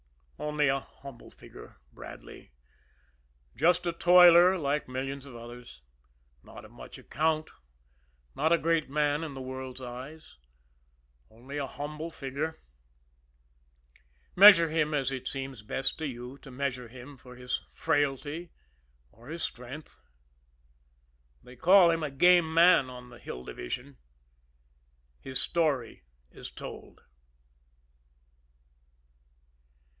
Only a humble figure, Bradley, just a toiler like millions of others, not of much account, not a great man in the world's eyes only a humble figure. Measure him as it seems best to you to measure him for his frailty or his strength. They call him a game man on the Hill Division. His story is told.